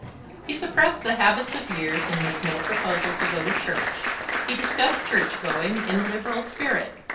He suppressed the habits of years and made no proposal to go to church. He discussed church going in a liberal spirit.